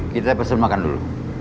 kita pesen makan dulu